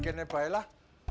ya ini baiklah